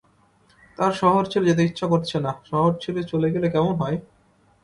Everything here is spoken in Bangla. তাঁর শহর ছেড়ে যেতে ইচ্ছা করছে না, শহর ছেড়ে চলে গেলে কেমন হয়?